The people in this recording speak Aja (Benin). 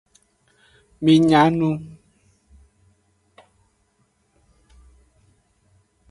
Mi nya nu.